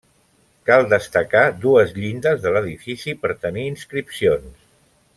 Cal destacar dues llindes de l'edifici per tenir inscripcions.